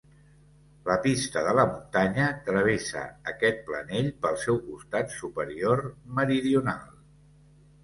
La Pista de la Muntanya travessa aquest planell pel seu costat superior, meridional.